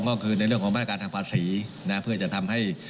ก็คือในเรื่องของมาตรการทางภาษีนะเพื่อจะทำให้